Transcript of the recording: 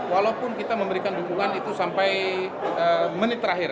walaupun kita memberikan dukungan itu sampai menit terakhir